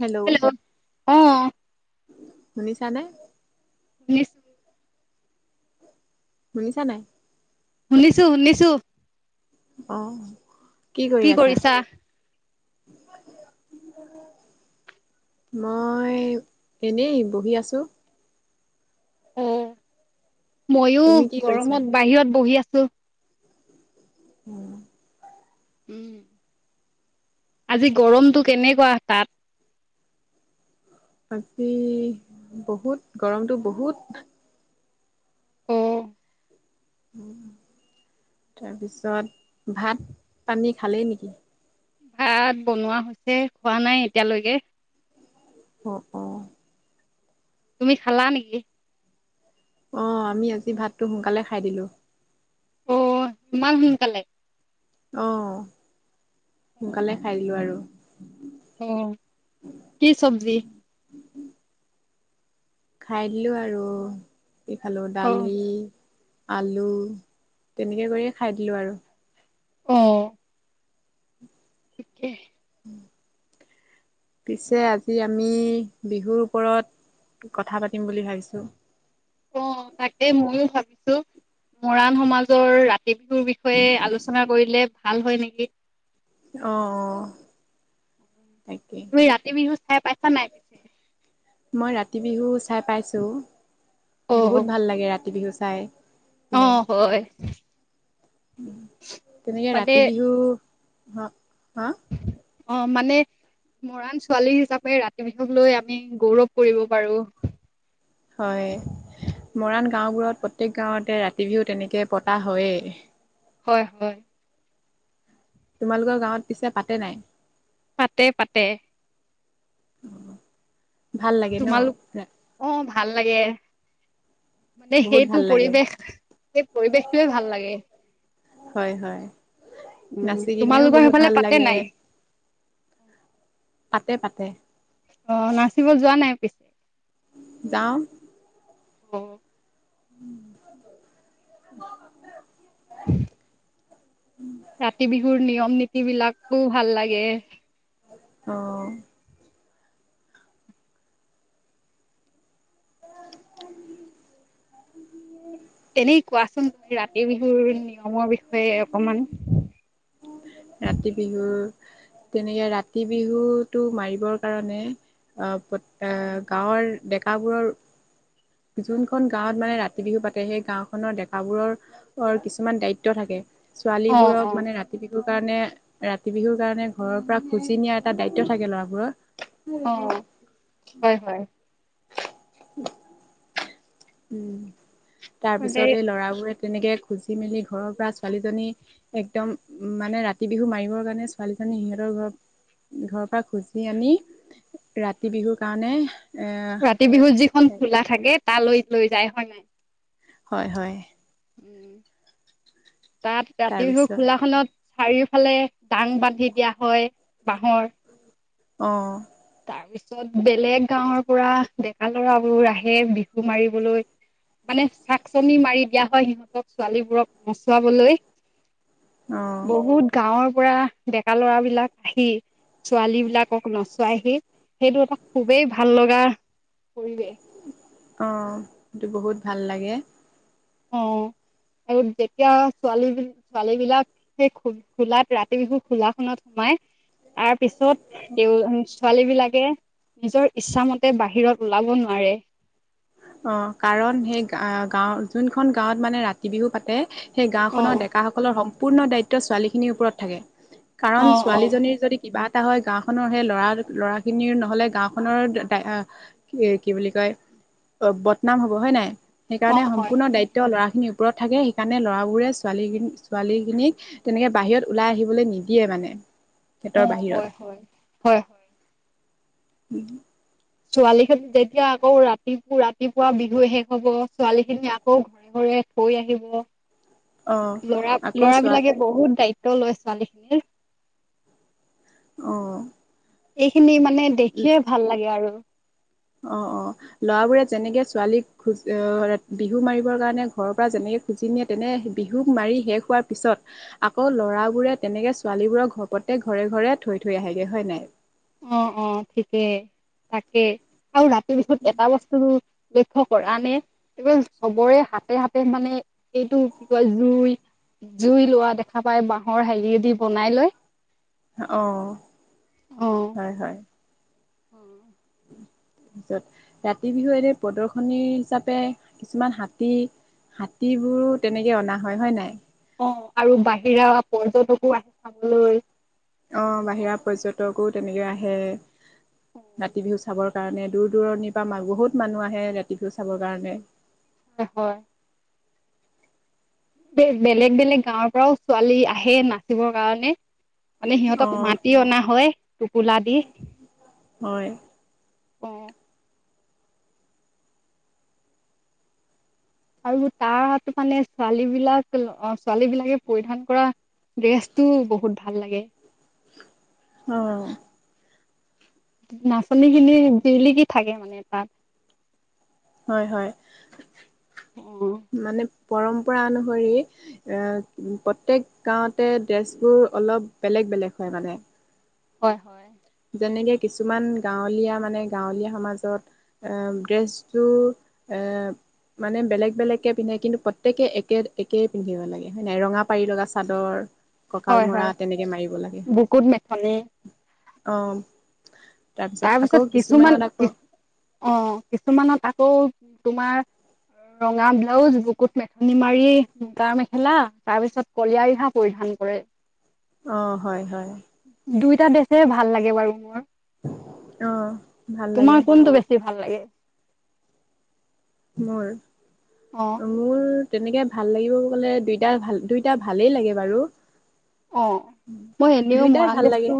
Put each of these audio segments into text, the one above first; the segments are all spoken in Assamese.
হেল্ল' অ শুনিছানে? শুনিছ- শুনিছা নাই? শুনিছোঁ শুনিছোঁ। অহ কি কৰি আছা? মই এনেই বহি আছোঁ। মইো তুমি কি কৰিছা গৰমত বাহিৰত বহি আছোঁ। উম। উম। আজি গৰমতটো কেনেকুৱা তাত? বাকী বহুত গৰমতটো বহুত। অ তাৰপিছত ভাত পানী খালেই নেকি? ভাত বনোৱা হৈছে খোৱা নাই এতিয়ালৈকে। অ', অ'। তুমি খালা নেকি? অ' আমি আজি ভাতটো সোনকালে খাই দিলো। অ ইমান সোনকালে? অ' সোনকালে খাই দিলো আৰু। অ‌ কি চবজি? খাই দিলো আৰু কি খালো অ দালি আলু তেনেকে কৰিয়ে খাই দিলো আৰু। অ' থিকে। উম পিছে আজি আমি বিহুৰ ওপৰত কথা পাতিম বুলি ভাবিছোঁ অ, তাকে মইয়ো ভাবিছো মৰাণ সমাজৰ ৰাতি বিহুৰ বি বিষয়ে আলোচনা কৰিলে ভাল হয় নেকি অ অ তাকে তুমি ৰাতি বিহু চাই পাইছা নাই? পিছে মই ৰাতি বিহু চাই পাইছো অ বহুত ভাল লাগে ৰাতি বিহু চাই। অ', হয় তেনেকে মানে ৰাতি বিহু হা হা অ, মানে মৰাণ ছোৱালী হিচাপে ৰাতি বিহুক লৈ আমি গৌৰৱ কৰিব পাৰো। হয় মৰাণ গাঁওবোৰত প্ৰত্যেক গাঁৱতে ৰাতি বিহু তেনেকে পতা হয়েই। হয় হয় তোমালোকৰ গাঁৱত পিছে পাতে নাই পাতে পাতে ভাল লাগে ন তোমালোক অ, ভাল লাগে। মানে বহুত সেইটো ভাল লাগে পৰিৱেশ সেই পৰিৱেশটোৱে ভাল লাগে। হয় হয় উম, নাচি কিনিও তোমালোকৰ বহুত সেইফালে ভাল পাতে লাগে। নাই পাতে পাতে। অ, নাচিব যোৱা নাই পিছে? যাওঁ অ' উম উম ৰাতি বিহুৰ নিয়ম নীতি বিলাকো ভাল লাগে। অ' তেনেই কোৱাচোন ৰাতি বিহুৰ নিয়মৰ বিষয়ে অকমান ৰাতি বিহু তেনেকে ৰাতি বিহুটো মাৰিবৰ কাৰণে অ, পতা গাঁৱৰ ডেকা বোৰৰ যোনখন গাঁৱত মানে ৰাতি বিহু পাতে সেই গাওখনৰ ডেকাবোৰৰ অ, কিছুমান দায়িত্ব থাকে অ', ছোৱালীবোৰক অ', মানে ৰা ৰাতি বিহুৰ কাৰণে ৰাতি বিহুৰ কাৰণে ঘৰৰ পৰা খুজি নিয়া এটা দায়িত্ব থাকে ল'ৰাবোৰৰ। অ, হয় হয়। [inaudible] উম, তাৰ মানে পিছত এই ল'ৰাবোৰে তেনেকে খুজি মেলি ঘৰৰ পৰা ছোৱালীজনী একদম মানে ৰাতি বিহু মাৰিবৰ কাৰণে ছোৱালীজনী সিহঁতৰ ঘৰ ঘৰৰ পৰা খুজি আনি ৰাতি বিহুৰ কাৰণে এ ৰাতি বিহুত যিখন খোলা থাকে তালৈ লৈ যায় হয় নাই হয় হয় উম, তাত ৰাতি বিহু তাৰপিছত খোলাখনত চাৰিওফালে চাং বান্ধি দিয়া হয়, বাঁহৰ। অ'। তাৰপিছত বেলেগ গাঁৱৰ পৰা ডেকা ল'ৰাবোৰ আহে বিহু মাৰিবলৈ। মানে চাকচনি মাৰি দিয়া হয় সিহঁতক, ছোৱালীবোৰক নচোৱাবলৈ। অ বহুত গাঁৱৰ পৰা ডেকা ল'ৰাবিলাক আহি, ছোৱালীবিলাকক নচ চুৱাইহি, সেইটো এটা খুবেই ভাল লগা পৰিৱেশ। অ', ইটো বহুত ভাল লাগে। অ [inaudible] আৰু যেতিয়া ছোৱালীবিল-ছোৱালীবিলাক সেই খো-খোলাত ৰাতি বিহু খোলাখনত সোমাই, তাৰ পিছত [unintelligible] ছোৱালীবিলাকে নিজৰ ইচ্ছামতে বাহিৰত ওলাব নোৱাৰে। অ', কাৰণ সেই গা-গাওঁ যোনখন গাঁৱত মানে ৰাতি বিহু পাতে সেই অ গাঁওখনৰ ডেকাসকলৰ সম্পূৰ্ণ দায়িত্ব ছোৱালীখিনিৰ ওপৰত থাকে। অ কাৰণ অ ছোৱালীজনীৰ যদি কিবা এটা হয় গাঁওখনৰ সেই ল'ৰা-ল'ৰাখিনিৰ নহ'লে গাওঁখনৰ এ-দা এ কি বুলি কয়, বদনাম হ'ব হয় নাই? অ সেইকাৰণে হয় সম্পূৰ্ণ হয় দায়িত্ব ত ল'ৰাখিনিৰ ওপৰত থাকে, সেইকাৰণে ল'ৰাবোৰে ছোৱালীখি-ছোৱালীখিনিক তেনেকে বাহিৰত ওলাই আহিবলে নিদিয়ে মানে। অ', সিহঁতৰ বাহিৰত হয়, হয়, হয়। [unintelligible] ছোৱালীখিনি যেতিয়া আকৌ ৰাতি-ৰাতিপুৱা বিহু শেষ হ'ব, ছোৱালীখিনি আকৌ [unintelligible] আহিব। অ', আকৌ চোৱা ল'ৰা-ল'ৰাবিলাকে বহুত দায়িত্ব লয় ছোৱালীখিনিৰ। অ'। এইখিনি মানে দেখিযও ভাল লাগে আৰু। অ', অ'। ল'ৰাবোৰে যেনেকে ছোৱালীক খোজ-আ-ৰা বিহু মাৰিবৰ কাৰণে ঘৰৰ পৰা যেনেকে খুজি নিয়ে তেনে বিহুক মাৰি শেষ হোৱাৰ পিছত আকৌ ল'ৰাবোৰে তেনেকে ছোৱালীবোৰক ঘ-প্ৰত্যেক ঘৰে ঘৰে থৈ থৈ আহেগে হয় নাই? অ', অ', ঠিকে, তাকে। আৰু ৰাতি বিহুত এটা বস্তুটো লক্ষ্য কৰানে? এ চবৰে হাতে- হাতে মানে এইটো কি কয় জুই জুই লোৱা দেখা পাই, বাঁহৰ হেৰিয়েদি বনাই লৈ। অ', হয়, হয়। উম। [inaudible] তাৰপিছত ৰাতি বিহু এনে প্ৰদৰ্শনী হিচাপে কিছুমান হাতী হাতীবোৰো তেনেকে অনা হয়, হয় নাই? অ', আৰু বাহিৰা পৰ্যটকো আহে চাবলৈ। অ', বাহিৰা পৰ্যটকো তেনেকে আহে। হয় ৰাতি বিহু চাবৰ কাৰণে, দূৰ -দূৰণিৰ পৰা মা-বহুত মানুহ আহে ৰাতি বিহু চাবৰ কাৰণে। [inaudible] সেই বেলেগ বেলেগ গাঁৱৰ পৰাও ছোৱালী আহে নাচিবৰ কাৰণে। মানে সিহঁতক অ', মাতি অনা হয়, টোপোলা দি। হয়। অ আৰু তাৰহতু মানে ছোৱালী বিলাক অ-ছোৱালী বিলাকে পৰিধান কৰা ড্ৰেছটো বহুত ভাল লাগে। অ'। নাচনী খিনি জলিকি থাকে মানে তাত। হয়, -হয়। [unintelligible] মানে পৰম্পৰা অনুসৰি এ, প্ৰত্যেক গাঁৱতে ড্ৰেছ বোৰ অলপ বেলেগ- বেলেগ হয় মানে। হয়, -হয়। যেনেকে কিছুমান গাঁৱলীয়া মানে গাঁৱলীয়া সমাজত এ ড্ৰেছটো এ মানে বেলেগ- বেলেগকে পিন্ধে কিন্তু প্ৰত্যেকে একে -একেই পিন্ধিব লাগে হয় নাই। ৰঙা পাৰি লগা চাদৰ কঁকাল মৰা তেনেকে মাৰিব লাগে। কুট মেথনি। - অহ তাৰপিছত আকৌ কিছুমানত আকৌ- অহ' কিছুমানত আকৌ তোমাৰ ৰঙা ব্লাউজ বুকুত মেঠনি মাৰি মুগা মেখেলা তাৰ পিছত কলিয়া ৰিহা পৰিধান কৰে। অহ' হয়, হয়। দুইটাই ড্ৰেছে ভাল লাগে বাৰু মোৰ। [unintelligible] অহ। তোমাৰ কোনটো বেছি ভাল লাগে? মোৰ অহ। মোৰ তেনেকৈ ভাল লাগিব গ'লে দুইটা ভাল দুইটা ভালেই লাগে বাৰু- অহ, মই এনেও দুইটাই মৰাণ, ভাল লাগে ড্ৰেছটো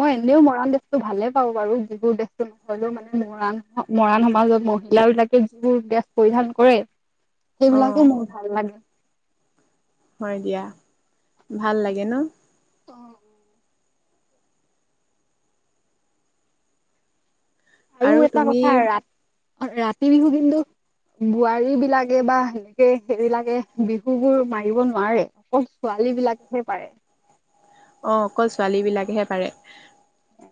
মই এনেও মৰাণ ড্ৰেছতো ভালে পাওঁ বাৰু যিবোৰ ড্ৰেছটো হ'লেও মানে মৰাণ- মৰাণ সমাজত মহিলা বিলাকে যিবোৰ ড্ৰেছ পৰিধান কৰে সেইবিলাকো অ'। মোৰ ভাল লাগে। হয় দিয়া। ভাল লাগে ন,। অহ'। আৰু এটা কথা ৰা -ৰাতি বিহু, কিন্তু বোৱাৰী বিলাকে বা সেনেকে সেইবিলাকে বিহু বোৰ মাৰিব নোৱাৰে। অকল ছোৱালী বিলাকেহে পাৰে। অহ' অকল ছোৱালী বিলাকেহে পাৰে। অহ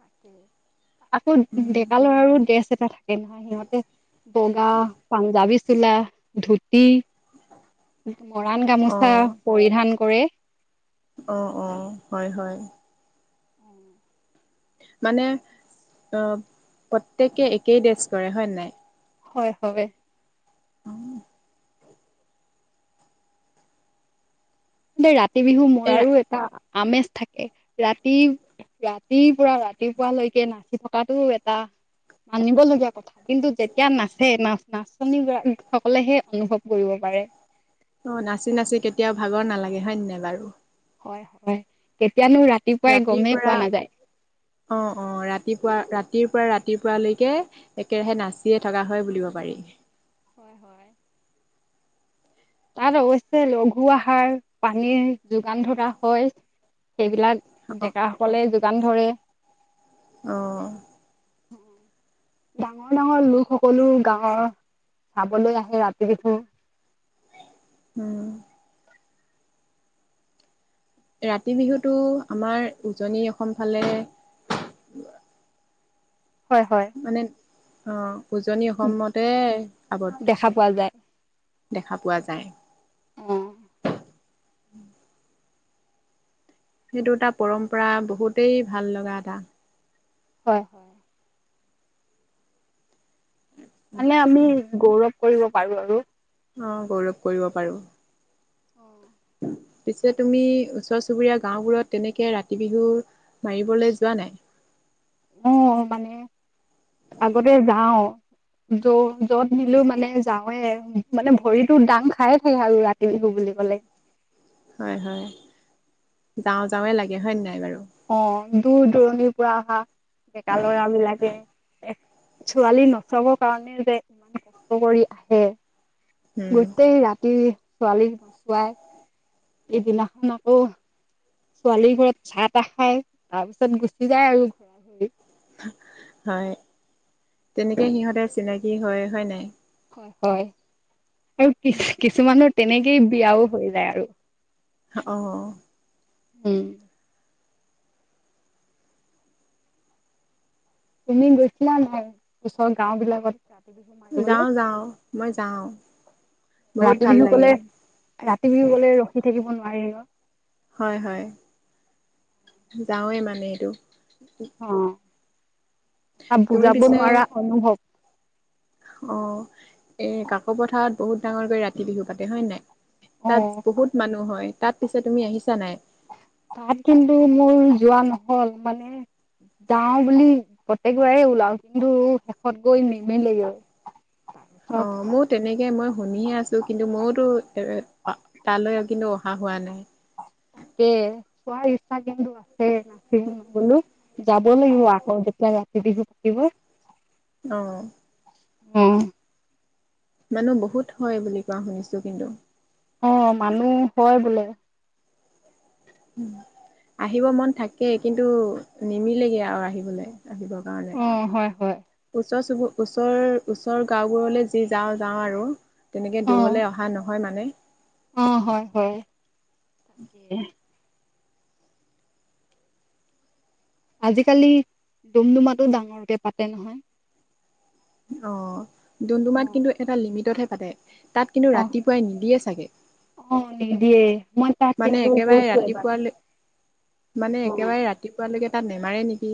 তাকেই আকৌ ডেকা লৰাৰো ড্ৰেছ এটা থাকে। সিহঁতে বগা পাঞ্জাবী, চোলা ধুতি, মৰাণ, গামোচা পৰিধান কৰে। অহ, অহ হয়, হয়। মানে প্ৰত্যেকে একেই ড্ৰেছ কৰে হয়নে নাই। হয় হয়। ৰাতি বিহু, এই মোৰাৰো এটা আমেজ থাকে। ৰাতি ৰাতিৰ পৰা ৰাতিপুৱালৈকে নাচি থকাতটো এটা মানিব লগীয়া কথা। কিন্তু যেতিয়া নাচে না নাচনি গৰাকী সকলেহে অনুভৱ কৰিব পাৰে। অহ' নাচি নাচি কেতিয়াও ভাগৰ নালাগে হয় ' নাই বাৰু হয়, হয়। কেতিয়ানো ৰাতি ৰাতিৰ পৰা অহ' অহ' ৰাতিপুৱা ৰাতিৰ পৰা ৰাতিপুৱালৈকে একেৰাহে নাচিয়ে থকা হয় বুলিব পাৰি। হয়, হয়। তাত অৱশ্যে লঘু, আহাৰ পানীৰ যোগান ধৰা হয়। সেইবিলাক। অ', ডেকা সকলে যোগান ধৰে। অঁ। ডাঙৰ ডাঙৰ লোক সকলো গাঁৱৰ, চাবলৈ আহে ৰাতিবিহু। উম'। ৰাতি বিহুটো আমাৰ উজনি অসম ফালে। হয়, হয়। মানে অ' উজনি অসমতে আৱদ্ধ। দেখা পোৱা যায় দেখা পোৱা যায়। উম'। সেইটো এটা পৰম্পৰা, বহুতেই ভাল লগা এটা। হয়। হয় মানে আমি গৌৰৱ কৰিব পাৰো আৰু। অ' গৌৰৱ কৰিব পাৰো। [unintelligible] পিছে তুমি, ওচৰ চুবুৰীয়া গাওঁবোৰত তেনেকে ৰাতি বিহু। মাৰিবলে যোৱা নাই? অ' মানে আগতে যাওঁ। য য'ত নিলেও মানে যাওঁৱে। মানে ভৰিতো দাং খাই থাকে আৰু ৰা বিহু বুলি ক'লে। হয়, হয়। যাওঁ যাওঁৱে লাগে হয় নাই বাৰু? অ' দূৰ দূৰণিৰ পৰা অহা, ডেকা ল'ৰা বিলাকে। ছোৱালী নচোৱাব কাৰণে যে ইমান কষ্ট কৰি আহে। উম গোটেই ৰাতি ছোৱালী নচোৱাই, ইদিনাখন আকৌ ছোৱালীৰ ঘৰত চাহ তাহ খাই। তাৰ পিছত গুচি যায় আৰু। ঘৰি হয়। তেনেকে সিহঁতে চিনাকি হয়, হয় নাই? হয়। আৰু কি কিছুমানৰ তেনেকেই বিয়াও হৈ যায় আৰু। অ'। উম'। তুমি গৈছিলা নাই, ওচৰ গাওঁ বিলাকত? যাওঁ যাওঁ মই যাওঁ বহুত ৰাতি ভাল বিহু কলে। লাগে। ৰাতি বিহু কলে ৰখি থাকিব নোৱাৰি। হয়, হয়। যাওঁৱেই মানে এইটো। অ', আৰু তুমি বুজাব পিছে নোৱাৰা অনুভৱ। অ' এ কাকপথাৰত বহুত ডাঙৰকৈ ৰাতি বিহু পাতে হয় নাই? তাত অ বহুত মানুহ হয়। তাত পিছে তুমি আহিছা নাই? তাত কিন্তু মোৰ যোৱা নহল, মানে যাওঁ বুলি প্ৰত্যেকবাৰে ওলাওঁ, কিন্তু শেষত গৈ নিমিলেগে। অ' মোত। তেনেকে মই শুনি আছো। কিন্তু মইতো এ তালৈ কিন্তু অহা হোৱা নাই। তাকে। চোৱাৰ ইচ্ছা কিন্তু সে নাচিব নগলো। যাব লাগিব আকৌ যেতিয়া ৰাতি বিহু পাতিব। অ'। উম'। মানুহ বহুত হয় বুলি কোৱা শুনিছোঁ কিন্তু। অ', মানুহ হয় বোলে। আহিব মন থাকেই, কিন্তু নিমিলেগে আৰু আহিবলৈ, আহিব। গাঁৱলে। অ', হয়, হয়, ওচৰ চুবু, ওচৰৰ ওচৰৰ গাঁওবোৰলৈ যি যাওঁ, যাওঁ আৰু। তেনেকে, অ', দূৰলৈ অহা নহয় মানে। অ' হয় হয়। আজিকালি, ডুমডুমাটো ডাঙৰকে পাতে নহয়। অ', ডুমডুমাত অ', কিন্তু এটা লিমিটতহে পাতে। তাত কিন্তু ৰাতিপুৱাই নিদিয়ে চাগে। অ'নিদিয়ে, মই তাত মানে কিন্তু একেবাৰে গৈছোঁ এবাৰ। ৰাতিপুৱালৈ মানে একেবাৰে ৰাতিপুৱালৈকে তাত নেমাৰে নেকি?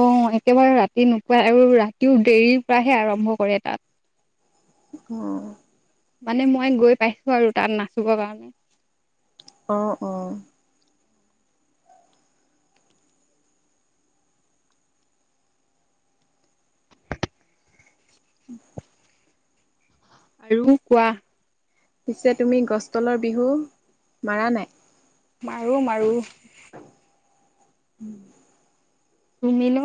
অ', একেবাৰে ৰাতি নোপোৱাই, আৰু ৰাতিও দেৰি পৰাহে আৰম্ভ কৰে তাত। উম্। মানে মই গৈ পাইছোঁ আৰু তাত নাচিবৰ কাৰণে। অ', অ'। উম্ আৰু কোৱা। পিছে তুমি, গছ তলৰ বিহু মাৰা নাই? মাৰোঁ মাৰোঁ। তুমিনো